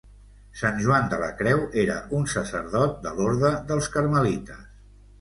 Sant Joan de la Creu era un sacerdot de l'Orde dels Carmelites.